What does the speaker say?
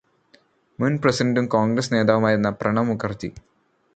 മുൻ പ്രസിഡെന്റും കോൺഗ്രസ്സ് നേതാവുമായിരുന്ന പ്രണബ് മുഖർജി